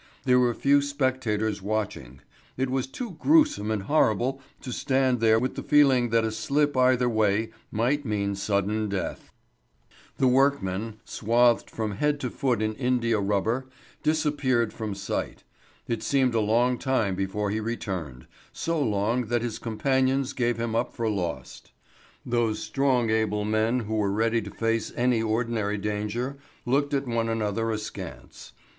There were few spectators watching. It was too gruesome and horrible to stand there with the feeling that a slip either way might mean sudden death. [Illustration: The workman, swathed from head to foot in indiarubber, disappeared from sight.] The workman, swathed from head to foot in indiarubber, disappeared from sight. It seemed a long time before he returned, so long that his companions gave him up for lost. Those strong able men who were ready to face any ordinary danger looked at one another askance.